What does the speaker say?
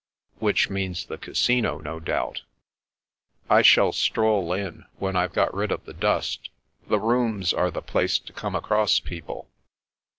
" Which means the Casino, no doubt." "I shall stroll in, when I've got rid of the dust The Rooms are the place to come across people."